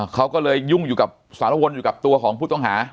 เขาก็เลยยุ่งอยู่กับสารวนอยู่กับตัวของผู้ต้องหา